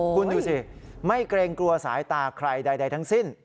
คุณดูสิไม่เกรงกลัวสายตาใครใดทั้งสิ้น